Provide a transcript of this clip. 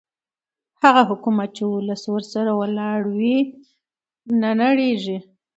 هغه حکومت چې ولس ورسره ولاړ وي نه نړېږي